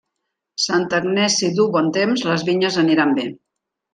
Santa Agnès si duu bon temps, les vinyes aniran bé.